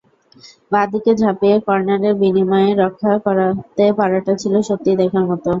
বাঁ দিকে ঝাঁপিয়ে কর্নারের বিনিময়ে রক্ষা করতে পারাটা ছিল সত্যিই দেখার মতো।